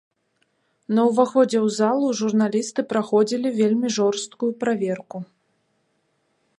На ўваходзе ў залу журналісты праходзілі вельмі жорсткую праверку.